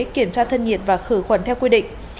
kiểm tra thân nhiệt và khử khuẩn theo quy định